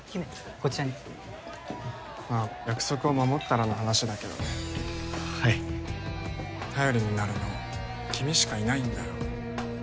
こちらにまあ約束を守ったらの話だけどねはい頼りになるの君しかいないんだよ